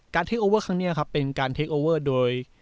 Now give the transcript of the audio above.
เทคโอเวอร์ครั้งนี้ครับเป็นการเทคโอเวอร์โดย